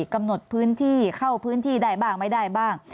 กำหนดพื้นที่เข้าพื้นที่ได้บ้างไม่ได้บ้าง